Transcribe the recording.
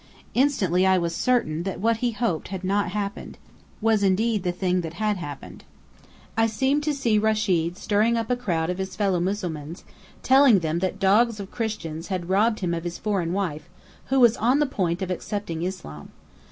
Instantly I was certain that what he hoped had not happened, was indeed the thing that had happened. I seemed to see Rechid stirring up a crowd of his fellow Mussulmans, telling them that dogs of Christians had robbed him of his foreign wife, who was on the point of accepting Islam.